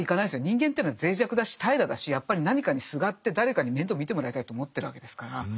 人間っていうのは脆弱だし怠惰だしやっぱり何かにすがって誰かに面倒を見てもらいたいと思ってるわけですから。